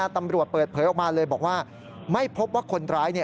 ตำรวจเปิดเผยออกมาเลยบอกว่าไม่พบว่าคนร้าย